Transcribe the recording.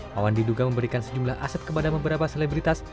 wawan diduga memberikan sejumlah aset kepada beberapa selebritas